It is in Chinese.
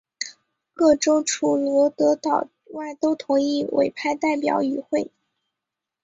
各州除罗德岛外都同意委派代表与会。